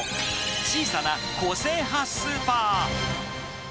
小さな個性派スーパー。